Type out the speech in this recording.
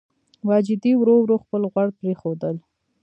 واجدې ورو ورو خپل غوړ پرېښودل.